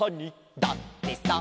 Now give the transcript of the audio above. だってさ」